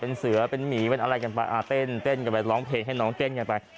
เป็นเสือเป็นหมีเป็นอะไรกันไปเต้นกันไปร้องเพลงให้น้องเต้นกันไป